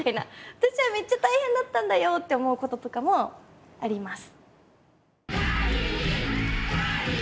私はめっちゃ大変だったんだよ！って思うこととかもあります。